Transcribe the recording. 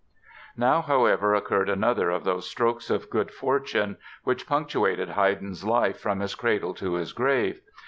Now, however, occurred another of those strokes of good fortune which punctuated Haydn's life from his cradle to his grave.